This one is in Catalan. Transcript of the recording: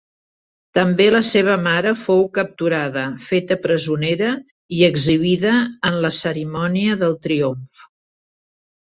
També la seva mare fou capturada, feta presonera i exhibida en la cerimònia del triomf.